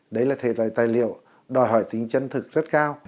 đấy là thể tài liệu đòi hỏi tính chân thực rất cao